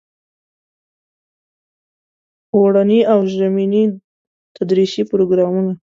اوړني او ژمني تدریسي پروګرامونه.